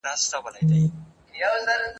لښتې په خپله لنده ژبه خپله ګوته بیا لنده کړه.